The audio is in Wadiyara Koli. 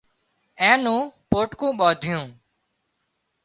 اين نون پوٽڪُون ٻانڌيون